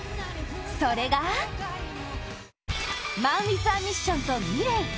それが、ＭＡＮＷＩＴＨＡＭＩＳＳＩＯＮとｍｉｌｅｔ